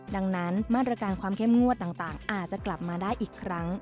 ดังนั้นมาตรการความเข้มงวดต่างอาจจะกลับมาได้อีกครั้ง